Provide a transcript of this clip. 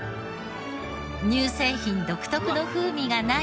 乳製品独特の風味がない